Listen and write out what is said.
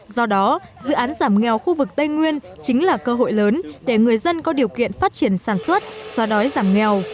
do đó dự án giảm nghèo khu vực tây nguyên chính là cơ hội lớn để người dân có điều kiện phát triển sản xuất xóa đói giảm nghèo